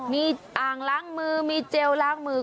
มีอ่างล้างมือมีเจลล้างมือ